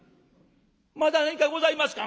まだ何かございますか？」。